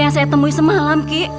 yang saya temui semalam kik